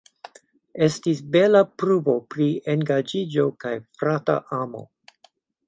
Estis bela pruvo pri engaĝiĝo kaj frata amo.